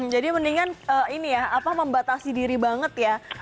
jadi mendingan membatasi diri banget ya